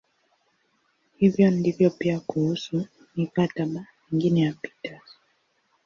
Hivyo ndivyo pia kuhusu "mikataba" mingine ya Peters.